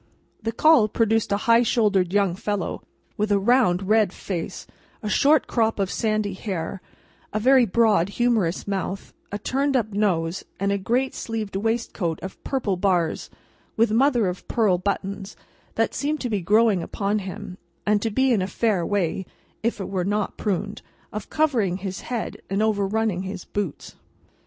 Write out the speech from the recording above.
The call produced a high shouldered young fellow, with a round red face, a short crop of sandy hair, a very broad humorous mouth, a turned up nose, and a great sleeved waistcoat of purple bars, with mother of pearl buttons, that seemed to be growing upon him, and to be in a fair way—if it were not pruned—of covering his head and overunning his boots.